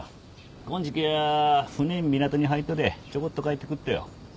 こおん時期は船ん港に入っとでちょこっと帰ってくっとよ。